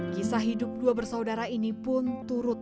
kisah hidup dua bersaudara ini pun turut